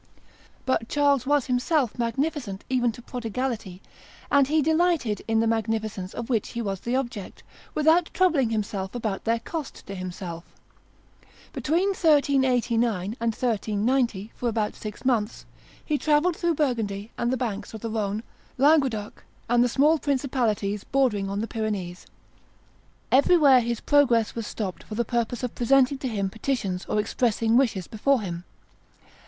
But Charles was himself magnificent even to prodigality, and he delighted in the magnificence of which he was the object, without troubling himself about their cost to himself. Between 1389 and 1390, for about six months, he travelled through Burgundy, the banks of the Rhone, Languedoc, and the small principalities bordering on the Pyrenees. Everywhere his progress was stopped for the purpose of presenting to him petitions or expressing wishes before him.